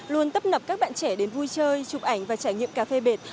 luôn tấp nập các bạn trẻ đến vui chơi chụp ảnh và trải nghiệm cà phê bệt